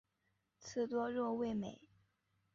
刺多肉味美。